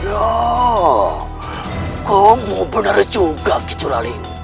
ya kamu benar juga kucur aling